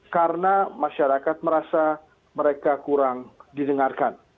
karena masyarakat merasa mereka kurang didengarkan